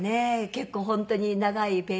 結構本当に長いページで。